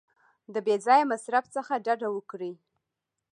د بې ځایه مصرف څخه ډډه وکړئ.